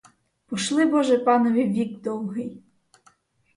Пошли, боже, панові вік довгий!